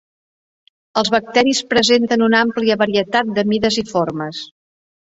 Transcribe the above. Els bacteris presenten una àmplia varietat de mides i formes.